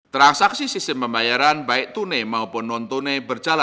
transaksi sistem pembayaran baik tune maupun non tune berjalan lancar